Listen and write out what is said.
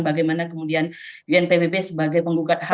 bagaimana kemudian unpbb sebagai penggugat ham